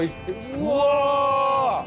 うわ！